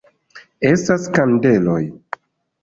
Estas kandeloj!